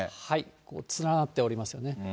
ここ、連なっておりますよね。